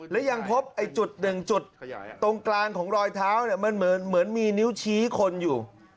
และยังพบไอ้จุดหนึ่งจุดตรงกลางของรอยเท้าเนี่ยมันเหมือนมีนิ้วชี้คนอยู่